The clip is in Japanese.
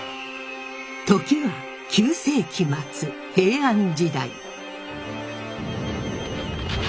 時は９世紀末平安時代。